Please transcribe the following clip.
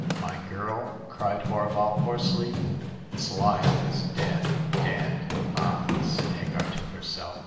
." My girl," cried Horval, hoarsely, " Miss Lyle is dead !"" Dead ? Ah !" said Hagar to herself.